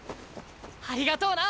ありがとうな！